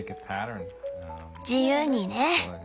自由にね。